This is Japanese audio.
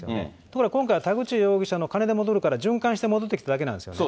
ところが今回、田口容疑者の金で戻るから、循環して戻ってきただけなんですよね。